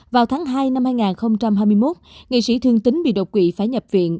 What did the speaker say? vào tháng hai năm hai nghìn hai mươi một nghị sĩ thương tính bị đột quỵ phải nhập viện